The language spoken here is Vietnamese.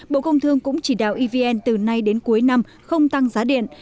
bộ công thương cũng chỉ đạo evn từ nay đến cuối năm không tăng giá điện